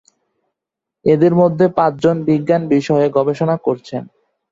এদের মধ্যে পাঁচ জন বিজ্ঞান বিষয়ে গবেষণা করছেন।